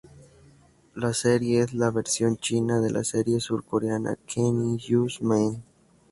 La serie es la versión china de la serie surcoreana "Queen In-hyun's Man".